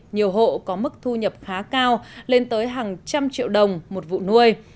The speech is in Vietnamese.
nhiều hộ có mức thu nhập khá cao lên tới hàng trăm triệu đồng một vụ nuôi